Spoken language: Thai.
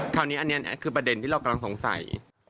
คราวนี้อันนี้คือประเด็นที่เรากำลังสงสัย